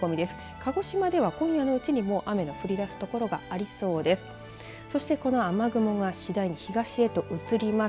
鹿児島では今夜のうちに雨が降りだす所がありそうです。